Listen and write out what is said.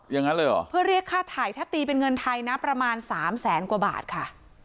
อย่างนั้นเลยเหรอเพื่อเรียกค่าถ่ายถ้าตีเป็นเงินไทยนะประมาณสามแสนกว่าบาทค่ะ